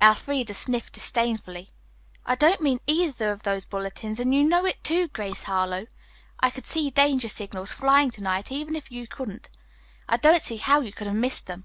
Elfreda sniffed disdainfully. "I don't mean either of those bulletin boards, and you know it, too, Grace Harlowe. I could see danger signals flying to night, even if you couldn't. I don't see how you could have missed them."